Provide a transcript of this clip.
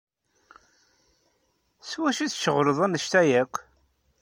S wacu i tceɣleḍ anect-a akk?